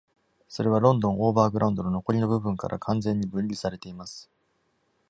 それはロンドン・オーバーグラウンドの残りの部分から完全に分離されています。